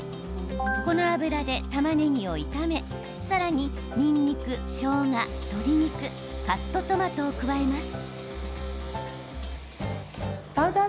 この油でたまねぎを炒めさらに、にんにく、しょうが鶏肉、カットトマトを加えます。